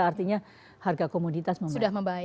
artinya harga komoditas memang sudah membaik